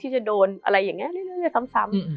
จะโดนอะไรอย่างนี้เรื่อยซ้ำ